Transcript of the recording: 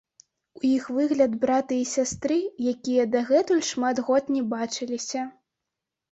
У іх выгляд брата і сястры, якія дагэтуль шмат год не бачыліся.